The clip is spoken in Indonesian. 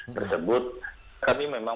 tersebut kami memang